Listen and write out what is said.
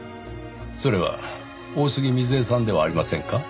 それは大杉瑞枝さんではありませんか？